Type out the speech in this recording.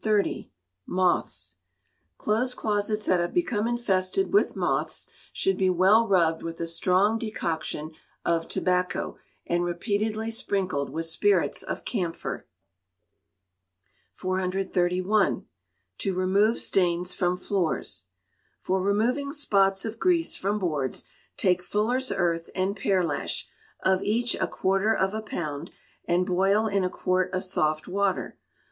Moths. Clothes closets that have become infested with moths, should be well rubbed with a strong decoction of tobacco, and repeatedly sprinkled with spirits of camphor. 431. To remove Stains from Floors. For removing spots of grease from boards, take fuller's earth and pearlash, of each a quarter of a pound, and boil in a quart of soft water.